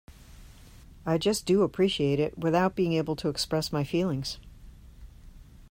I just do appreciate it without being able to express my feelings.